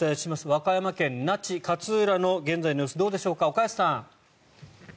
和歌山県那智勝浦町の現在の様子どうでしょうか、岡安さん。